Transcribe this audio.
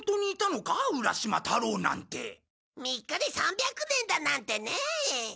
３日で３００年だなんてねえ。